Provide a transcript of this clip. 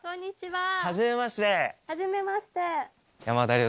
はじめまして。